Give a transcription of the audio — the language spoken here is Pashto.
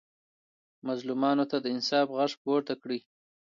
مظلومانو ته د انصاف غږ پورته کړئ.